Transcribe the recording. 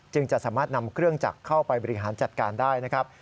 จะสามารถนำเครื่องจักรเข้าไปบริหารจัดการได้นะครับ